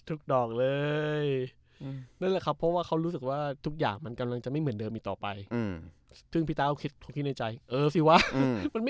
อื้อหือเชื่อดีไหม